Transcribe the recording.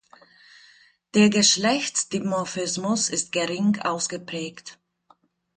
Der Geschlechtsdimorphismus ist gering ausgeprägt.